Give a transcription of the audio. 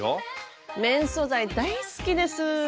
綿素材大好きです！